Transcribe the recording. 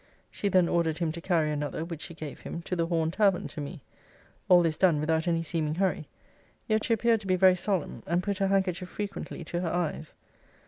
'She then ordered him to carry another (which she gave him) to the Horn Tavern to me. All this done without any seeming hurry: yet she appeared to be very solemn; and put her handkerchief frequently to her eyes.